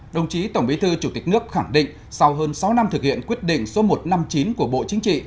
đồng chí tổng bí thư chủ tịch nước khẳng định sau hơn sáu năm thực hiện quyết định số một trăm năm mươi chín của bộ chính trị